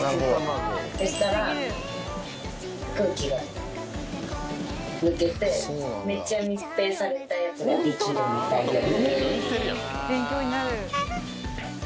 そしたら空気が抜けてめっちゃ密閉されたやつができるみたいな。